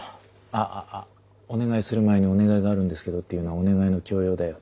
あっあっあっお願いする前に「お願いがあるんですけど」って言うのはお願いの強要だよ